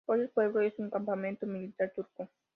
Hoy el pueblo es un campamento militar turco.